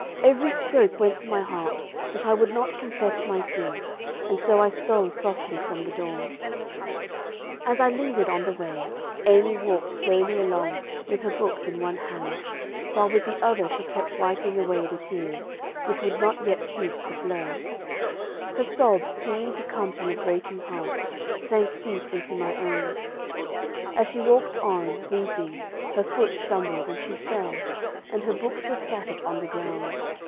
Every stroke went to my heart, but I would not confess my sin, and so I stole softly from the door. [Illustration: "Miss R I did not tell a lie."] "As I lingered on the way, Amy walked slowly along, with her books in one hand, while with the other she kept wiping away the tears, which would not yet cease to flow. Her sobs, seeming to come from a breaking heart, sank deep into my own. "As she walked on, weeping, her foot stumbled, and she fell, and her books were scattered on the ground.